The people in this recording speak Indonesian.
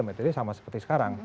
metodenya sama seperti sekarang